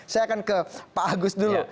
saya akan ke pak agus dulu